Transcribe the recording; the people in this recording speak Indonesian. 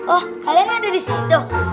oh kalian ada disitu